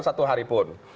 satu hari pun